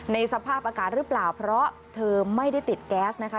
สภาพอากาศหรือเปล่าเพราะเธอไม่ได้ติดแก๊สนะคะ